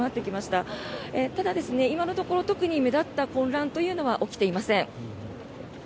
ただ、今のところ特に目立った混乱というのは起きていません。